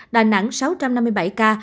đà nẵng sáu trăm năm mươi bảy ca